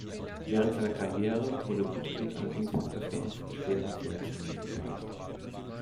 Während seiner Karriere wurde Woodgate allerdings des Öfteren von schweren Verletzungen geplagt.